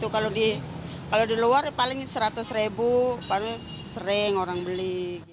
kalau di luar paling seratus ribu paling sering orang beli